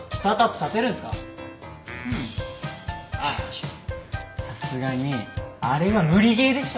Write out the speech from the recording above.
さすがにあれは無理ゲーでしょ。